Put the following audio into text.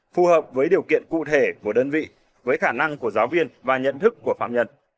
phù hợp với điều kiện cụ thể của đơn vị với khả năng của giáo viên và nhận thức của phạm nhân